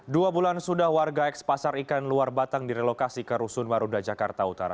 dua bulan sudah warga ekspasar ikan luar batang direlokasi ke rusun waruda jakarta utara